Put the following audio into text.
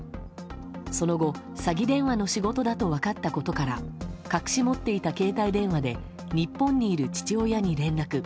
その後、詐欺電話の仕事だと分かったことから隠し持っていた携帯電話で日本にいる父親に連絡。